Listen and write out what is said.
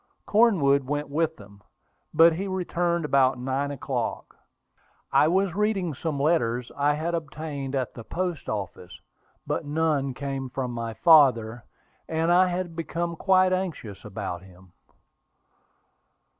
Cornwood went with them, but he returned about nine o'clock. I was reading some letters I had obtained at the post office; but none came from my father, and I had become quite anxious about him.